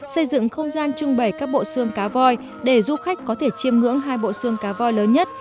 xây dựng không gian trưng bày các bộ xương cá voi để du khách có thể chiêm ngưỡng hai bộ xương cá voi lớn nhất